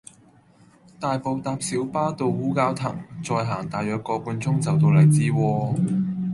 大埔搭小巴到烏蛟騰，再行大約個半鐘就到荔枝窩